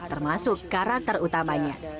termasuk karakter utamanya